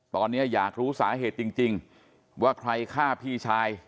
ตอนนี้อยากรู้สาเหตุจริงว่าใครฆ่าพี่ชาย